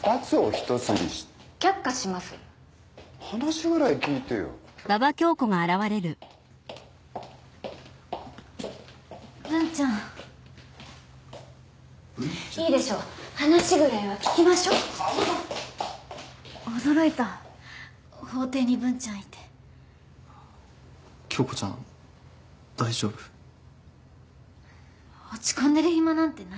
落ち込んでる暇なんてない。